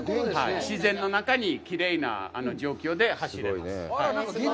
自然の中できれいな状況で走れます。